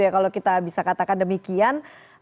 kalau kita bisa katakan demikian